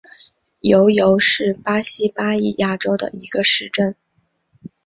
尤尤是巴西巴伊亚州的一个市镇。